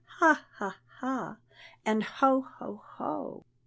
ha! ha! and ho! ho! ho!